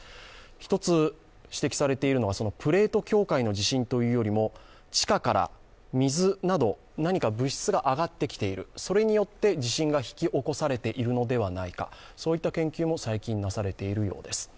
１つ指摘されているのが、プレート境界の地震というよりも地下から水など何か物質が上がってきている、それによって地震が引き起こされているのではないかという研究も最近なされているそうです。